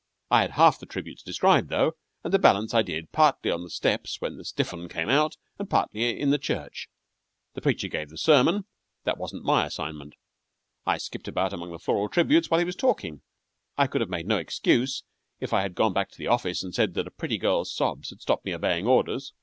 I had half the tributes described, though, and the balance I did partly on the steps when the stiff 'un came out, and partly in the church. The preacher gave the sermon. That wasn't my assignment. I skipped about among the floral tributes while he was talking. I could have made no excuse if I had gone back to the office and said that a pretty girl's sobs had stopped me obeying orders.